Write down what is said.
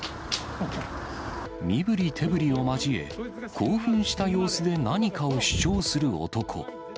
身ぶり手ぶりを交え、興奮した様子で何かを主張する男。